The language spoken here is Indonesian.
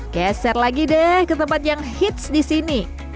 keser lagi deh ke tempat yang hits disini